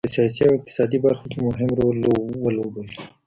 په سیاسي او اقتصادي برخو کې مهم رول ولوبوي.